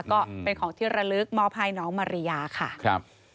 ก็เป็นของที่ระลึกมอบให้น้องมาริยาค่ะครับ